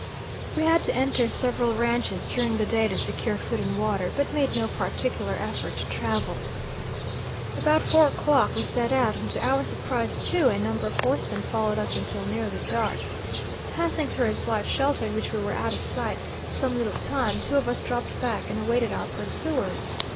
We had to enter several ranches during the day to secure food and water, but made no particular effort to travel. "About four o'clock we set out, and to our surprise, too, a number of horsemen followed us until nearly dark. Passing through a slight shelter, in which we were out of sight some little time, two of us dropped back and awaited our pursuers.